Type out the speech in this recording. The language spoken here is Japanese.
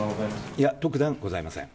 いや、特段ございません。